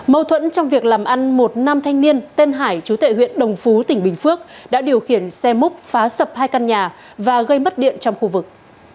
mâu thuẫn trong việc làm ăn một nam thanh niên tên hải chú tệ huyện đồng phú tỉnh bình phước đã điều khiển xe múc phá sập hai căn nhà và gây mất điện trong khu vực